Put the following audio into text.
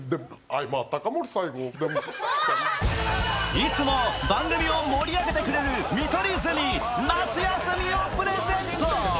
いつも番組を盛り上げてくれる見取り図に夏休みをプレゼント。